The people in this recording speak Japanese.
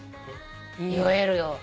酔えるよ。